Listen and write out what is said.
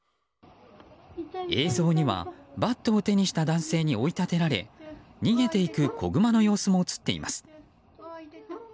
映像にはバットを手にした男性に追い立てられ逃げていく子グマの様子も映っています。